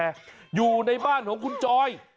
อยู่ในบ้านของคุณจอย